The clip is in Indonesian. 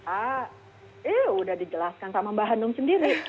ah ya udah dijelaskan sama mbak hanum sendiri